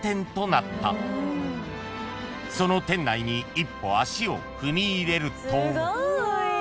［その店内に一歩足を踏み入れると］